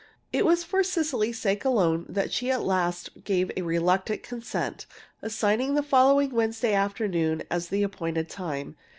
It was for Cecily's sake alone that she at last gave a reluctant consent, assigning the following Wednesday afternoon as the appointed time.